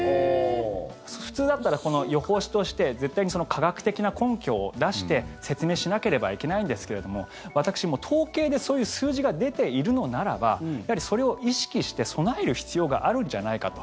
普通だったら予報士として絶対に科学的な根拠を出して説明しなければいけないんですけれども私、統計でそういう数字が出ているのならばそれを意識して備える必要があるんじゃないかと。